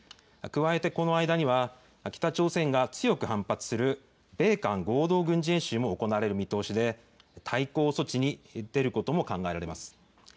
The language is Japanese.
加えて、この間には、北朝鮮が強く反発する米韓合同軍事演習も行われる見通しで、対抗措置に出ることも考えられます。